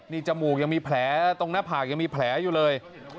นี่จมูกยังมีแผลตรงหน้าผากยังมีแผลอยู่เลย